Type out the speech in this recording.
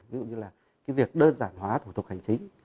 ví dụ như là cái việc đơn giản hóa thủ tục hành chính